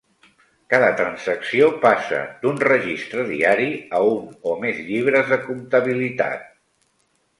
Cada transacció passa d'un registre diari a un o més llibres de comptabilitat.